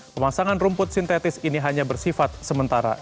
pemasangan rumput sintetis ini hanya bersifat sementara